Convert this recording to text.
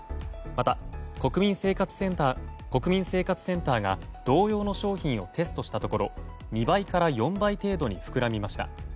また、国民生活センターが同様の商品をテストしたところ２倍から４倍程度に膨らみました。